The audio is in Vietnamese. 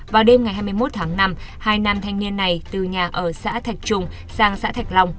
vào đêm ngày hai mươi một tháng năm hai nam thanh niên này từ nhà ở xã thạch trùng sang xã thạch long